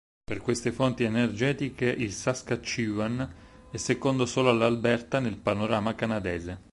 Per queste fonti energetiche il Saskatchewan è secondo solo all'Alberta nel panorama canadese.